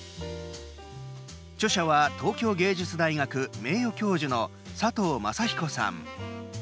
著者は東京藝術大学名誉教授の佐藤雅彦さん。